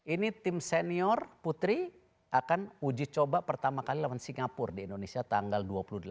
ini tim senior putri akan uji coba pertama kali lawan singapura di indonesia tanggal dua puluh delapan